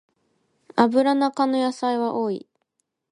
アブラナ科の野菜は多い